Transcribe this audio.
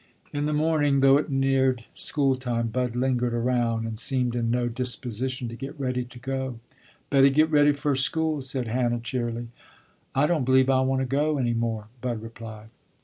In the morning, though it neared school time, Bud lingered around and seemed in no disposition to get ready to go. "Bettah git ready fer school," said Hannah cheerily. "I don't believe I want to go any more," Bud replied.